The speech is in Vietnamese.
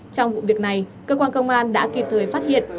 trong vụ việc này cơ quan công an đã kịp thời phát hiện